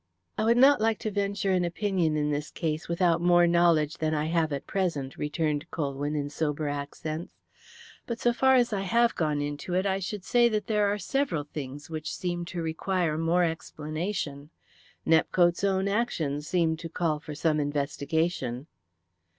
"I would not like to venture an opinion in this case without more knowledge than I have at present," returned Colwyn in sober accents. "But so far as I have gone into it I should say that there are several things which seem to require more explanation. Nepcote's own actions seem to call for some investigation."